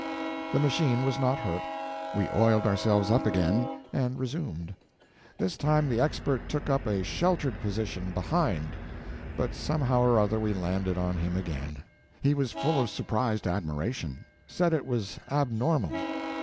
The machine was not hurt. We oiled ourselves up again, and resumed. This time the Expert took up a sheltered position behind, but somehow or other we landed on him again. He was full of surprised admiration; said it was abnormal.